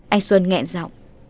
anh xuân ngẹn rộng